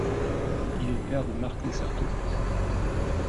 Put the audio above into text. Il est le père de Marc Desserteaux.